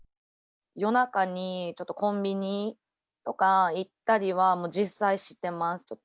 夜中にちょっとコンビニとか行ったりはもう実際してます